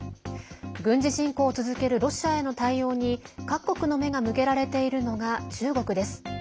軍事侵攻を続けるロシアへの対応に各国の目が向けられているのが中国です。